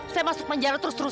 saya masuk penjara terus terus